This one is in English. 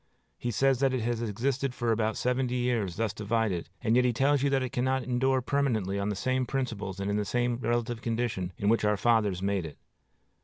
He says that it has existed for about seventy years thus divided, and yet he tells you that it cannot endure permanently on the same principles and in the same relative condition in which our fathers made it.